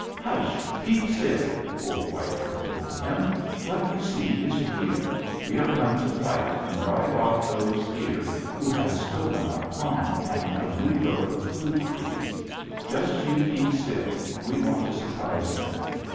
"'Hush! Keep still,' old White Fur told him. 'What you see is real. We are come to fight and drive off those here who have stolen our pond and our new growth of food trees. Just you keep still: we want to surprise them.